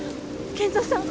賢三さん。